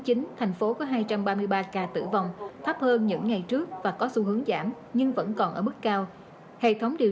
ca tử vong thấp hơn những ngày trước và có xu hướng giảm nhưng vẫn còn ở mức cao hệ thống điều